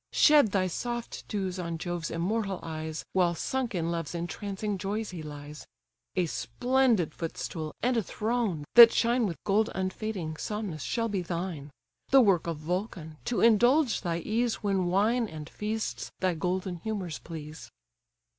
Shed thy soft dews on Jove's immortal eyes, While sunk in love's entrancing joys he lies. A splendid footstool, and a throne, that shine With gold unfading, Somnus, shall be thine; The work of Vulcan; to indulge thy ease, When wine and feasts thy golden humours please."